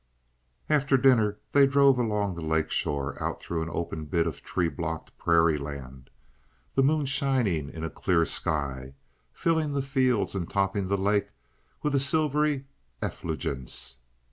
After dinner they drove along the lake shore and out through an open bit of tree blocked prairie land, the moon shining in a clear sky, filling the fields and topping the lake with a silvery effulgence.